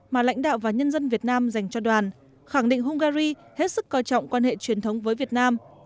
mà lãnh đạo và nhân dân việt nam dành cho đoàn khẳng định hungary hết sức coi trọng quan hệ truyền thống với việt nam